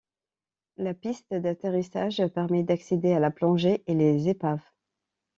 La piste d'atterrissage permet d'accéder à la plongée et les épaves.